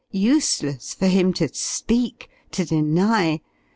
Useless for him to speak, to deny.